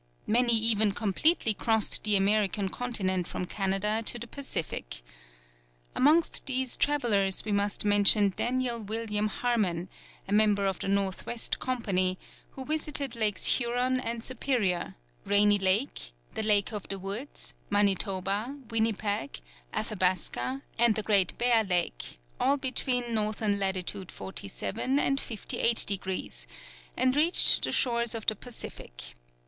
Many even completely crossed the American continent from Canada to the Pacific. Amongst these travellers we must mention Daniel William Harmon, a member of the North West Company, who visited Lakes Huron and Superior, Rainy Lake, the Lake of the Woods, Manitoba, Winnipeg, Athabasca, and the Great Bear Lake, all between N. lat. 47 degrees and 58 degrees, and reached the shores of the Pacific.